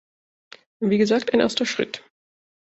Wie gesagt, ein erster Schritt.